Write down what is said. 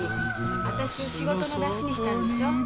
私を仕事のだしにしたんでしょ？